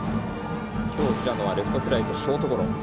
今日平野はレフトフライとショートゴロ。